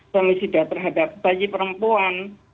femisida terhadap bayi perempuan